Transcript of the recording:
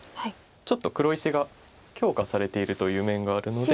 ちょっと黒石が強化されているという面があるので。